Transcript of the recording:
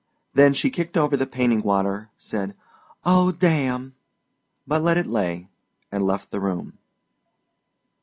Then she kicked over the painting water, said, "Oh, damn!" but let it lay and left the room.